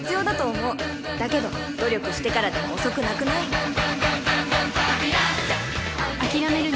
だけど努力してからでも遅くなくない？